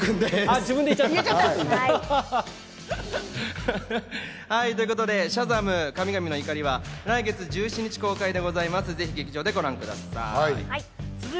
自分で言っちゃった。ということで、『シャザム！神々の怒り』は、来月１７日公開です、ぜひ劇場でご覧ください。